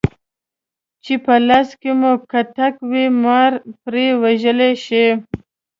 چې په لاس کې مو کوتک وي مار پرې وژلی شئ.